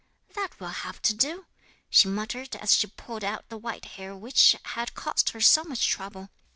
'"That will have to do," she muttered as she pulled out the white hair which had cost her so much trouble.